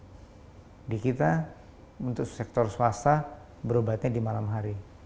jadi kita untuk sektor swasta berobatnya di malam hari